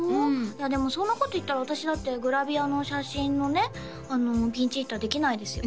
いやでもそんなこと言ったら私だってグラビアの写真のねピンチヒッターできないですよ